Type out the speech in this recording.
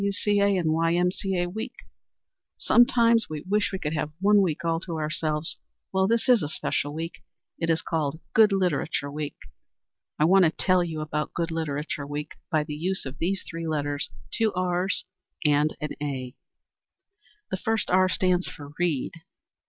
W.C.A. and Y.M.C.A. week. Sometimes we wish we could have one week all to ourselves. Well, this is a special week. It is called Good Literature week. I want to tell you about Good Literature week by the use of these three letters, two R's and an A. The first R stands for Read.